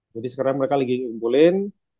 sekarang mereka lagi ngumpulin